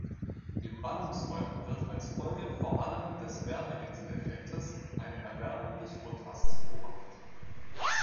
In Ballungsräumen wird als Folge vor allem des Wärmeinsel-Effektes eine Erwärmung des Grundwassers beobachtet.